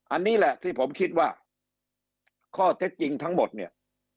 อันนี้แหละที่ผมคิดว่าข้อเท็จจริงทั้งหมดเนี่ย